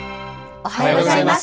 おはようございます。